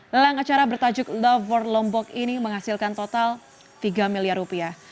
lelang acara bertajuk lover lombok ini menghasilkan total tiga miliar rupiah